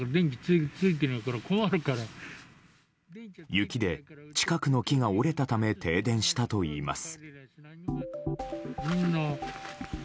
雪で近くの木が折れたため停電したといいます。